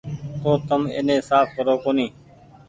تو تم ايني ساڦ ڪرو ڪونيٚ ۔